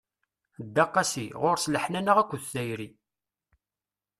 Dda qasi, ɣur-s leḥnana akked tayri.